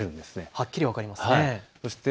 はっきり分かりますね。